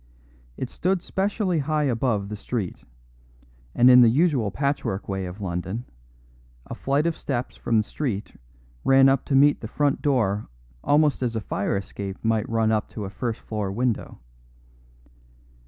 It stood specially high above the street, and in the usual patchwork way of London, a flight of steps from the street ran up to meet the front door almost as a fire escape might run up to a first floor window.